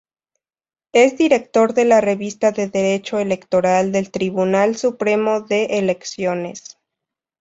Es Director de la Revista de Derecho Electoral del Tribunal Supremo de Elecciones.